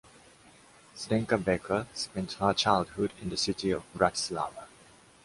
Zdenka Becker spent her childhood in the city of Bratislava.